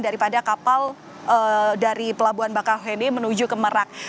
daripada kapal dari pelabuhan bakauheni menuju ke merak